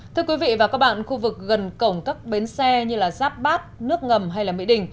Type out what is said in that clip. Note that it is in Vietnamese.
thưa quý vị và các bạn khu vực gần cổng các bến xe như giáp bát nước ngầm hay mỹ đình